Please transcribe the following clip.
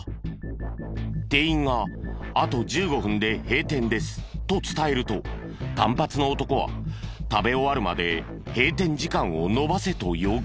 店員が「あと１５分で閉店です」と伝えると短髪の男は「食べ終わるまで閉店時間を延ばせ」と要求。